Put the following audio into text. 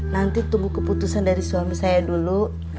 nanti tunggu keputusan dari suami saya dulu